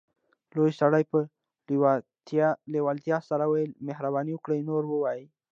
لوی سړي په لیوالتیا سره وویل مهرباني وکړئ نور ووایئ